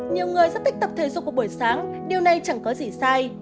nhiều người rất thích tập thể dục của buổi sáng điều này chẳng có gì sai